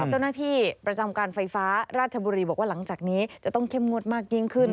เจ้าหน้าที่ประจำการไฟฟ้าราชบุรีบอกว่าหลังจากนี้จะต้องเข้มงวดมากยิ่งขึ้น